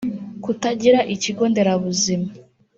kutagira ikigo nderabuzima